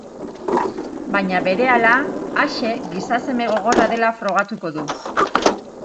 Baina berehala Axe gizaseme gogorra dela frogatuko du.